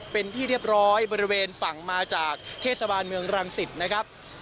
เป็นที่เรียบร้อยบริเวณฝั่งมาจากเทศบาลเมืองรังสิตนะครับ